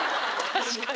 確かに。